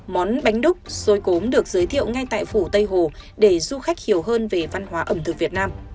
món bánh đúc sối cốm được giới thiệu ngay tại phủ tây hồ để du khách hiểu hơn về văn hóa ẩm thực việt nam